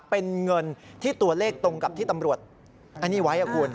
เป็นเงินที่ตัวเลขตรงกับที่ตำรวจไว้